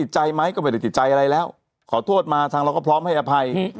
ใจอะไรแล้วขอโทษมาทางเราก็พร้อมให้อภัย